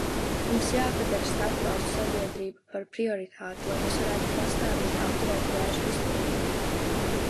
Mums jāpadara starpvalstu sadarbība par prioritāti, lai mēs varētu pastāvīgi apturēt vēža izplatību.